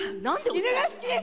犬が好きです！